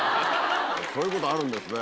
そういうことあるんですね。